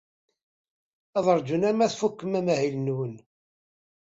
Ad ṛjun arma tfukem amahil-nwen.